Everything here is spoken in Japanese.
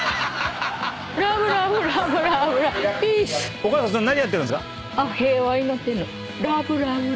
お母さんそれ何やってんですか？